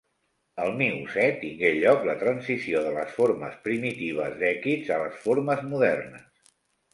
Al Miocè tingué lloc la transició de les formes primitives d'èquids a les formes modernes.